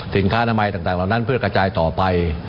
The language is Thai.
อนามัยต่างเหล่านั้นเพื่อกระจายต่อไป